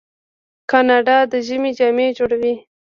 کاناډا د ژمي جامې جوړوي.